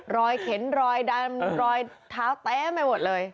เข็นรอยดำรอยเท้าเต็มไปหมดเลย